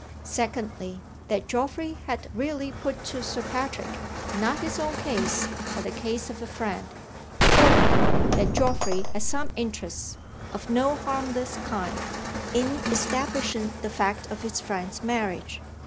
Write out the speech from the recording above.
Secondly, that Geoffrey had really put to Sir Patrick not his own case but the case of a friend. Thirdly, that Geoffrey had some interest (of no harmless kind) in establishing the fact of his friend's marriage.